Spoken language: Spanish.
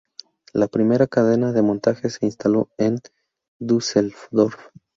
La primera cadena de montaje se instaló en Düsseldorf.